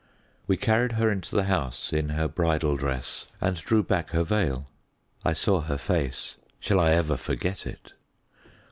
We carried her into the house in her bridal dress and drew back her veil. I saw her face. Shall I ever forget it?